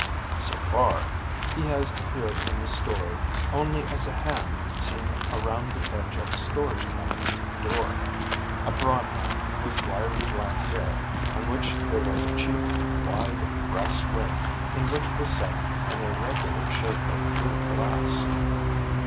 (So far he has appeared in this story only as a hand seen around the edge of a storage cabinet door, a broad hand, with wiry black hair, on which there was a cheap, wide, brass ring in which was set an irregular shape of blue glass.)